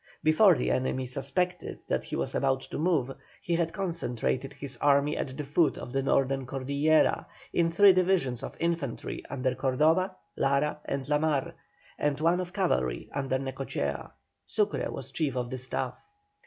Before the enemy suspected that he was about to move, he had concentrated his army at the foot of the northern Cordillera, in three divisions of infantry, under Cordoba, Lara, and La Mar, and one of cavalry, under Necochea. Sucre was chief of the staff.